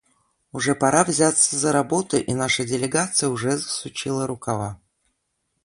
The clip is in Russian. Уже пора взяться за работу, и наша делегация уже засучила рукава.